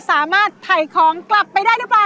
สามารถถ่ายของกลับไปได้หรือเปล่า